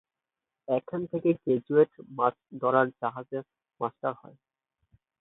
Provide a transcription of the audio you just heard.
এখান থেকে গ্র্যাজুয়েটরা মাছ ধরার জাহাজের মাস্টার হবে।